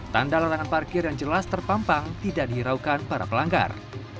tanda larangan parkir yang jelas terpampang tidak dihiraukan para pelanggar